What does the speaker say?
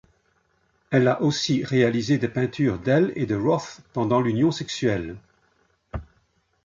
Elle a aussi réalisé des peintures d'elle et de Roth pendant l'union sexuelle.